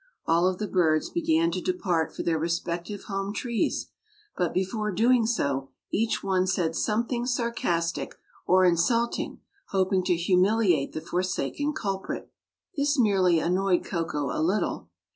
All of the birds began to depart for their respective home trees, but before doing so each one said something sarcastic or insulting, hoping to humiliate the forsaken culprit. This merely annoyed Koko a little.